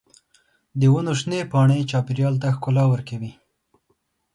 د ونو شنې پاڼې چاپېریال ته ښکلا ورکوي.